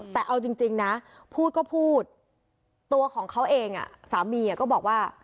แต่เอาจริงนะพูดก็พูดตัวของเขาเองสามีก็บอกว่า